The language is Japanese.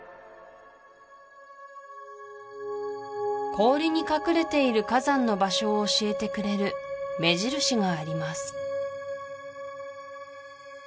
氷に隠れている火山の場所を教えてくれる目印があります